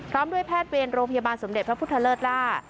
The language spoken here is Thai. พร้อมด้วยแพทย์เวรโรงพยาบาลสมเด็จพระพุทธเลิศล่า